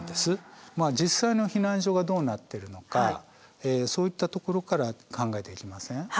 実際の避難所がどうなってるのかそういったところから考えていきません？